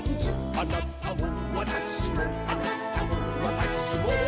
「あなたもわたしもあなたもわたしも」